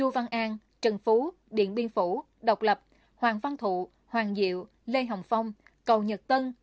văn an trần phú điện biên phủ độc lập hoàng văn thụ hoàng diệu lê hồng phong cầu nhật tân